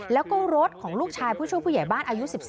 แล้วก็รถของลูกชายผู้ช่วยผู้ใหญ่บ้านอายุ๑๔